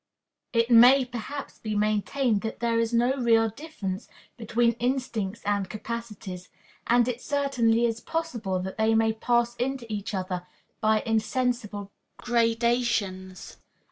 It may, perhaps, be maintained that there is no real difference between instincts and capacities, and it certainly is possible that they may pass into each other by insensible gradations.